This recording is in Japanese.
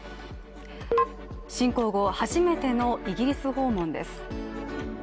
侵攻後初めてのイギリス訪問です。